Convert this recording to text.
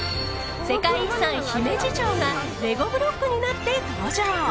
世界遺産、姫路城がレゴブロックになって登場。